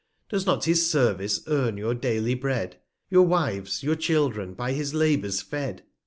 Does not his Service earn your daily Bread ? Your Wives, your Children, by his Labours fed!